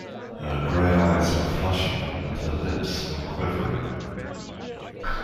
Her gray eyes were flashing, and her lips were quivering.